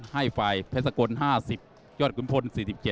ให้ฝ่ายเพชรสกล๕๐ยอดขุนพล๔๗